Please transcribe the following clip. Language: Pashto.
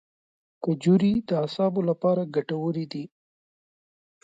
کجورې د اعصابو لپاره ګټورې دي.